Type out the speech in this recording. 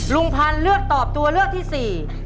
ลุงพันธ์เลือกตอบตัวเลือกที่สี่